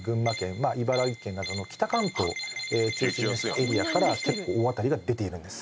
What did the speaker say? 茨城県などの北関東中心のエリアから結構大当たりが出ているんです。